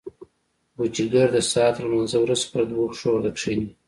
پوجيگر د سهار تر لمانځه وروسته پر دوو پښو ورته کښېني.